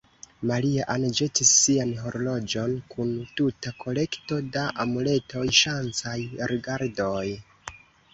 Maria-Ann ĵetis sian horloĝon, kun tuta kolekto da amuletoj kontraŭ malbonŝancaj rigardoj.